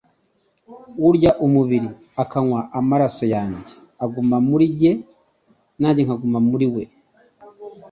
Urya umubiri akanywa amaraso yanjye aguma muri njye, narijye nkaguma muri we.»